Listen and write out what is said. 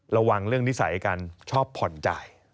ระวังเรื่องนิสัยการชอบผ่อนจ่าย